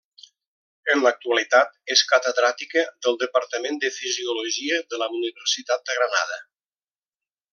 En l'actualitat és Catedràtica del Departament de Fisiologia de la Universitat de Granada.